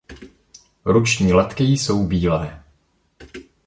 Ruční letky jsou bílé.